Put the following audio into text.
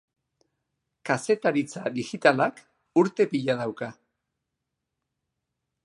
Kazetaritza digitalak urte pila dauka.